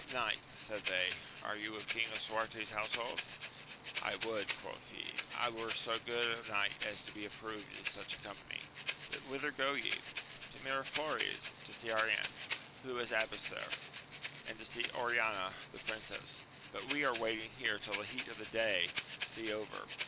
Knight, said they, are you of King Lisu arte's household ? I would, quoth he, I were so good a knight as to be approved in such a company : but whither go ye ?— ^To Miraflores, to see our aunt who is abbess there, and to see Oriana, the princess ; but we are waiting here till the heat of the day be over.